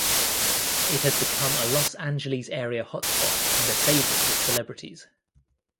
It has become a Los Angeles-area hotspot and a favorite with celebrities.